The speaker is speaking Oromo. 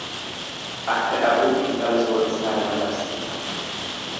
Akka dhabuun intala sooressaa nama dhabsiisa.